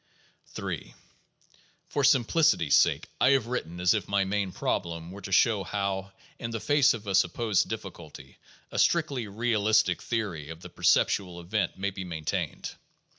Ill For simplicity's sake, I have written as if my main problem were to show how, in the face of a supposed difficulty, a strictly realistic theory of the perceptual event may be maintained.